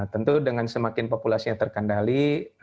tentu dengan semakin populasinya terkendali